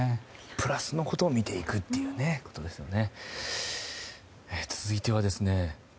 プラスのことを見ていくということですね。